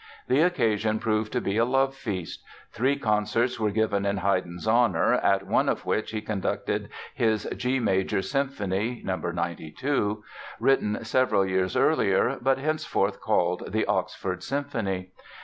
The occasion proved to be a love feast. Three concerts were given in Haydn's honor, at one of which he conducted his G major Symphony (No. 92), written several years earlier, but henceforth called the "Oxford" Symphony.